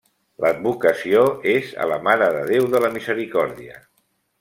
L'advocació és a la Mare de Déu de la Misericòrdia.